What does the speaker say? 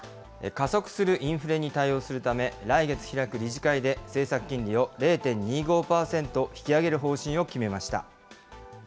加速するインフレに対応するため、来月開く理事会で、政策金利を０．２５％引き上げる方針を決めました。